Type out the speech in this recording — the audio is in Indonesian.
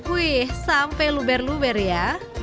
wih sampai luber luber ya